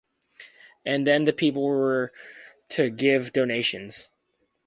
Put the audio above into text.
And then the people were to give donations.